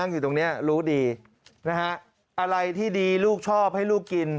อะไรที่ดีลูกชอบให้ลูกกิน